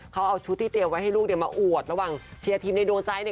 เขาเอาชุดที่เตรียมไว้ให้ลูกเนี่ยมาอวดระหว่างเชียร์ทีมในดวงใจเนี่ย